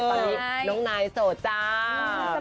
ตอนนี้น้องนายโสดจ้า